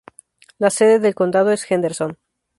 La sede del condado es Henderson.